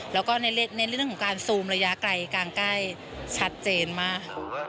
แล้วก็ในเรื่องของการซูมระยะไกลกลางใกล้ชัดเจนมาก